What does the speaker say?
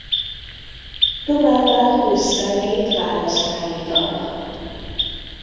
Továbbá húsz személyt választmányi tagnak.